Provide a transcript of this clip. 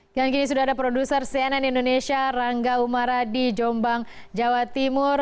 yang kini sudah ada produser cnn indonesia rangga umara di jombang jawa timur